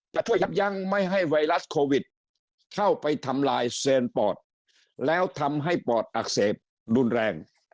ช่วยยับยั้งไม่ให้ไวรัสโควิดเข้าไปทำลายเซนปอดแล้วทำให้ปอดอักเสบรุนแรง